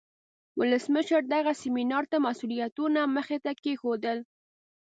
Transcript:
ولسمشر دغه سیمینار ته مسئولیتونه مخې ته کیښودل.